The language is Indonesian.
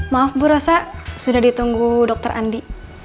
maaf burasa sudah ditunggu dokter andi